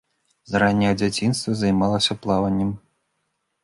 З ранняга дзяцінства займалася плаваннем.